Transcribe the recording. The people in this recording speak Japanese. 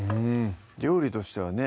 料理としてはね